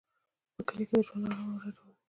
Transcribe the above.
په کلي کې ژوند ارام او ډاډمن وي.